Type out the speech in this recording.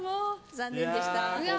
残念でした。